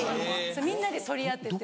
みんなで取り合ってて。